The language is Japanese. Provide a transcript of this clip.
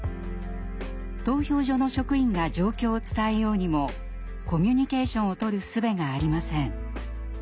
投票所の職員が状況を伝えようにもコミュニケーションをとるすべがありません。